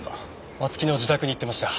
松木の自宅に行ってました。